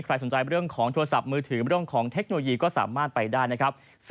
สนใจเรื่องของโทรศัพท์มือถือเรื่องของเทคโนโลยีก็สามารถไปได้นะครับ